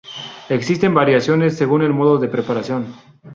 Existen variaciones según el modo de preparación.